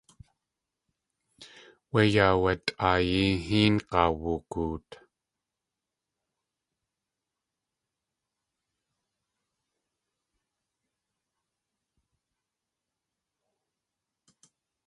Wé yaawatʼaayi héeng̲aa woogoot.